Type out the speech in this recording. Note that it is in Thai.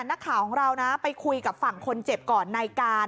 นักข่าวของเรานะไปคุยกับฝั่งคนเจ็บก่อนในการ